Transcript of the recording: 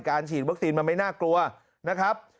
ฉีดวัคซีนมันไม่น่ากลัวนะครับ